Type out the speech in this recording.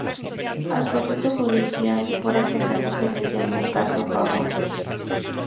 Al proceso judicial por este caso se le llamó "Caso Pavón".